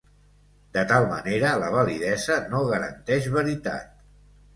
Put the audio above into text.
De tal manera, la validesa no garanteix veritat.